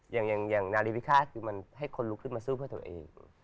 อย่างนาริวิคาคือมันให้คนลุกขึ้นมาสู้เพื่อตัวเอง